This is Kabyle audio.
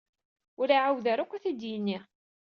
Ur iɛawed ara akk ad t-id-yini.